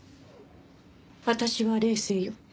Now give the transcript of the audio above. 私は冷静よ。